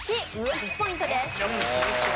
１ポイントです。